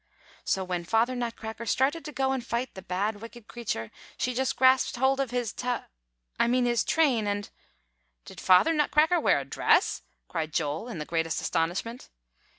So when Father Nutcracker started to go and fight the bad, wicked creature, she just grasped hold of his ta I mean, his train, and" "Did Father Nutcracker wear a dress?" cried Joel, in the greatest astonishment.